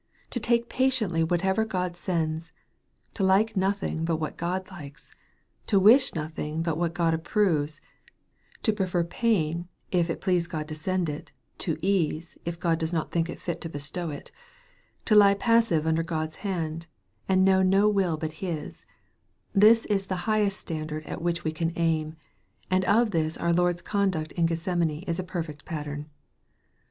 To take patiently whatever God sends to like nothing but what God likes to wish nothing but what God approves 1 prefer pain, if it please God to send it, to ease, if God loes not think fit to bestow it to lie passive under God's hand, and know no will but His this is the highest standard at which we can aim, and of this our Lord's conduct in Gethbemane is a perfect pattern.